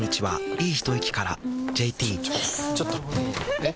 えっ⁉